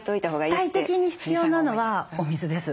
絶対的に必要なのはお水です。